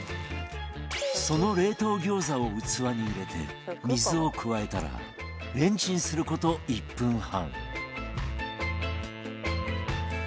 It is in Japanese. その冷凍餃子を器に入れて水を加えたらレンチンする事１分半